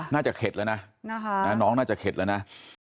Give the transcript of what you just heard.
เข็ดแล้วนะน้องน่าจะเข็ดแล้วนะ